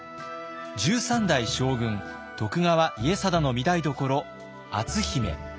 十三代将軍徳川家定の御台所篤姫。